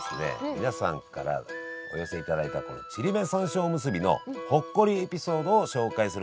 皆さんからお寄せいただいたこのちりめん山椒おむすびのほっこりエピソードを紹介するコーナーです！